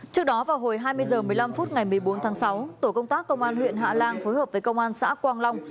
trước đó vào hồi hai mươi h một mươi năm phút ngày một mươi bốn tháng sáu tổ công tác công an huyện hạ lan phối hợp với công an xã quang long